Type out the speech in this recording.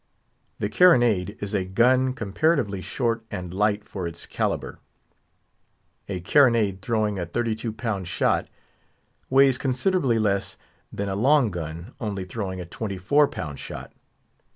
The carronade is a gun comparatively short and light for its calibre. A carronade throwing a thirty two pound shot weighs considerably less than a long gun only throwing a twenty four pound shot.